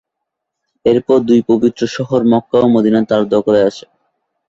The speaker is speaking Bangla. এরপর দুই পবিত্র শহর মক্কা ও মদিনা তার দখলে আসে।